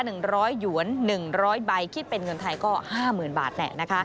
๑๐๐หยวน๑๐๐ใบคิดเป็นเงินไทยก็๕๐๐๐๐บาทแน่นะคะ